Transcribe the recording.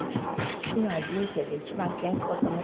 今は人生で一番健康と思っていらっしゃる？